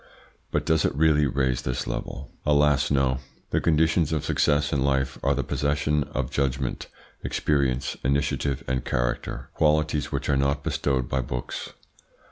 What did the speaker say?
But does it really raise this level? Alas, no! The conditions of success in life are the possession of judgment, experience, initiative, and character qualities which are not bestowed by books.